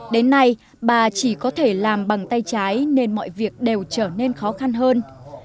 đến nay bà chỉ có thể làm bằng tay trái nên mọi việc đều trở nên khó khăn hơn